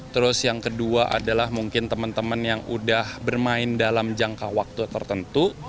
terus yang kedua adalah mungkin teman teman yang udah bermain dalam jangka waktu tertentu